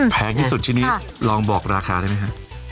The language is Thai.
แพงที่สุดชนิดลองบอกราคาได้ไหมฮะ